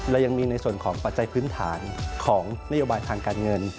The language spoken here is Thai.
และยังมีในส่วนของปัจจัยพื้นฐานของนโยบายทางการเงิน